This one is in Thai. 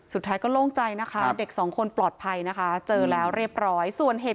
สุดท้ายก็โล่งใจนะคะเด็กสองคนปลอดภัยนะคะเจอแล้วเรียบร้อยส่วนเหตุ